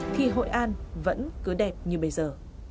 thì hội an vẫn cứ đẹp như bây giờ